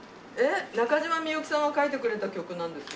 中島みゆきさんが書いてくれた曲なんですよ。